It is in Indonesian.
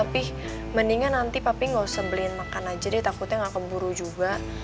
pi mendingan nanti papi gausah beliin makan aja deh takutnya ga keburu juga